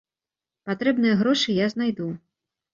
Патрэбныя грошы я знайду.